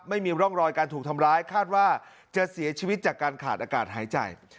ไม่มีร่องรอยการถูกทำร้ายคาดว่าจะเสียชีวิตจากการขาดอากาศหายใจ